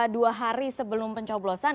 dua hari sebelum pencoblosan